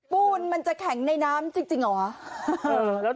ปูนมันจะแข็งในน้ำจริงเหรอ